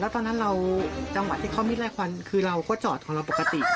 ตอนนั้นเราจังหวะที่เขามิดไล่ควันคือเราก็จอดของเราปกติ